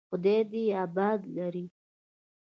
خداى دې يې اباد لري.